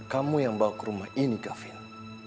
kamu yang bawa ke rumah ini kafir